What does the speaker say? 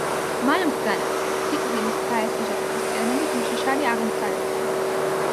მან ბრძანა, სიკვდილით დაესაჯათ ქრისტიანობის უშიშარი აღმსარებელი.